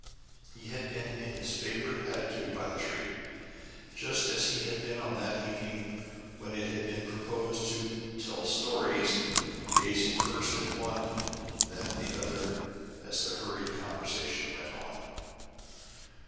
He had been in his favorite attitude by the tree, just as he had been on that evening when it had been proposed to "tell stories," gazing first at one and then at another, as the hurried conversation went on.